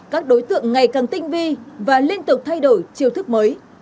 các đối tượng ngày càng tinh vi và liên tục thay đổi chiêu thức mới